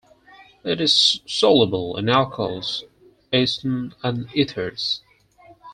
It is soluble in alcohols, acetone, and ethers.